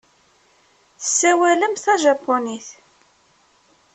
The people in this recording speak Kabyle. Tessawalem tajapunit.